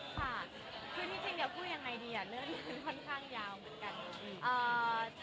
ค่ะคือจริงพูดยังไงดีเรื่องนี้มันค่อนข้างยาวเหมือนกัน